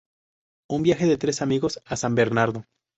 Un viaje de tres amigos a San Bernardo.